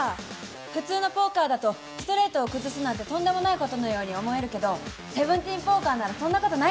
普通のポーカーだとストレートを崩すなんてとんでもないことのように思えるけど１７ポーカーならそんなことないんですね。